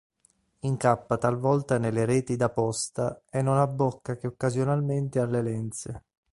Incappa talvolta nelle reti da posta e non abbocca che occasionalmente alle lenze.